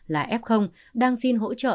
là f đang xin hỗ trợ